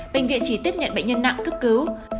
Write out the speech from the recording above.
bệnh viện chỉ tiếp nhận bệnh nhân nặng cấp cứu